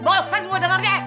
bosan gue dengernya